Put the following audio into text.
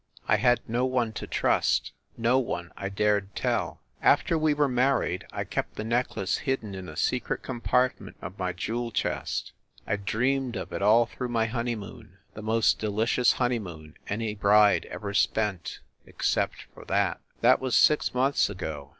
I had no one to trust, no one I dared tell. After we were married I kept the necklace hidden in a secret compartment of my jewel chest. I dreamed of it, all through my honeymoon the most delicious honeymoon any bride ever spent except for that. That was six months ago ...